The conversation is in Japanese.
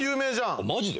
マジで？